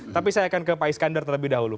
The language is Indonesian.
tapi saya akan ke pak iskandar terlebih dahulu